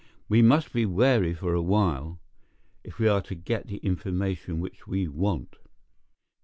We must be wary for a while, if we are to get the information which we want."